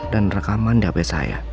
dan rekaman di hp saya